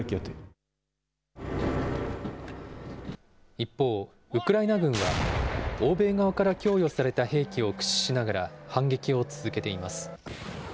一方、ウクライナ軍は欧米側から供与された兵器を駆使しながら反撃を続けています。